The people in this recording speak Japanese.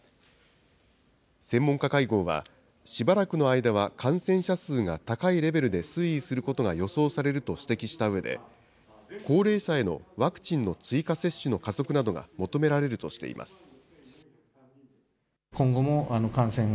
専門家会合は、しばらくの間は感染者数が高いレベルで推移することが予想されると指摘したうえで、高齢者へのワクチンの追加接種の加速などが求められるとしています。